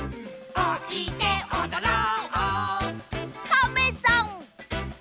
「おいでおどろう」